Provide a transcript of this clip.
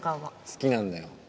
好きなんだよ